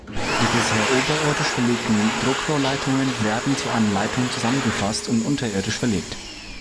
Die bisher oberirdisch verlegten Druckrohrleitungen werden zu einer Leitung zusammengefasst und unterirdisch verlegt.